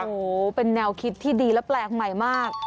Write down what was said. โอ้โหเป็นแนวคิดที่ดีและแปลกใหม่มาก